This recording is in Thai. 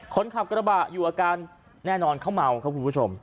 คนขับกระบะอยู่อาการแน่นอนเขาเมาครับคุณผู้ชม